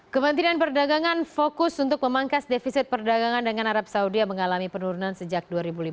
kementerian perdagangan fokus untuk memangkas defisit perdagangan dengan arab saudi yang mengalami penurunan sejak dua ribu lima belas